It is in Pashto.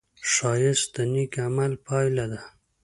ښایست د نېک عمل پایله ده